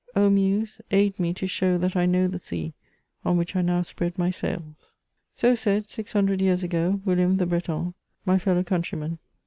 —" O Muse, aid me to show that I know the sea on which 1 now spread my sails.'' So said, 600 hundred years ago, William the Breton, my fellow countryman.